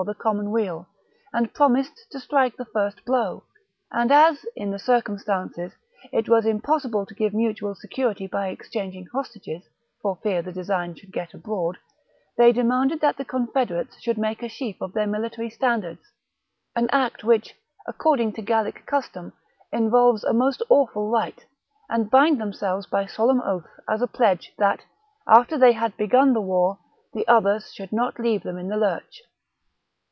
'^'' the common weal, and promised to strike the first blow ; and as, in the circumstance's, it was im possible to give mutual security by exchanging hostages, for fear the design should get abroad, they demanded that the confederates should make a sheaf of their military standards ^— an act which, according to Gallic custom, involves a most awful rite — and bind themselves by solemn oath, as a pledge that, after they had begun the war, the others should not leave them in the lurch.